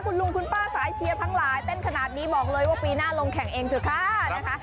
คุณลุงคุณป้าสายเชียร์ทั้งหลายเต้นขนาดนี้บอกเลยว่าปีหน้าลงแข่งเองเถอะค่ะนะคะ